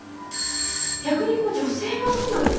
逆に女性はどうなんですかね。